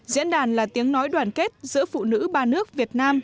diễn đàn là tiếng nói đoàn kết giữa phụ nữ ba nước việt nam